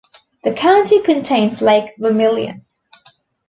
The county contains Lake Vermillion.